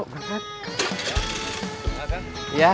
kalau rushin aja deh